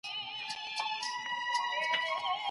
میلمه پالنه یې مشهوره ده.